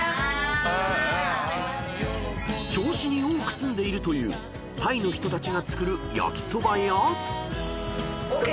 ［銚子に多く住んでいるというタイの人たちが作る焼きそばや］